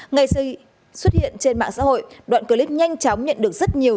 ngày xuất hiện trên mạng xã hội đoạn clip nhanh chóng nhận được rất nhiều